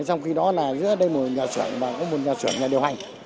trong khi đó là giữa đây một nhà sửa và một nhà sửa nhà điều hành